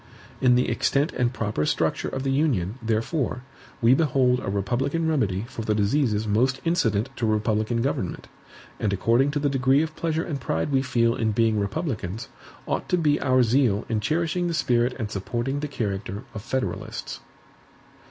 In the extent and proper structure of the Union, therefore, we behold a republican remedy for the diseases most incident to republican government. And according to the degree of pleasure and pride we feel in being republicans, ought to be our zeal in cherishing the spirit and supporting the character of Federalists.